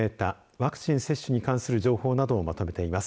ワクチン接種の関連情報などをまとめています。